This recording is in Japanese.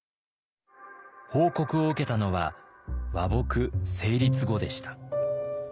報告を受けたのは和睦成立後でした。